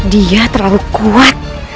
dia terlalu kuat